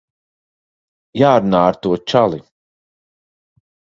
Jārunā ar to čali.